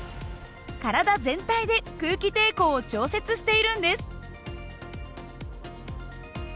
体全体で空気抵抗を調節しているんです。